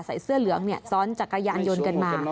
ใส่เสื้อเหลืองซ้อนจักรยานยนต์กันมา